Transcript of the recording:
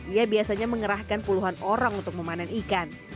ia biasanya mengerahkan puluhan orang untuk memanen ikan